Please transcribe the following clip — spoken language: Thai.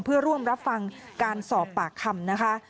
เพื่อร่วมรับฟังการสอบปากคำนะคะ